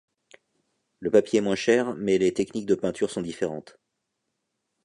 Le papier est moins cher, mais les techniques de peinture sont différentes.